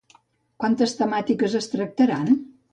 Quantes temàtiques es tractaran?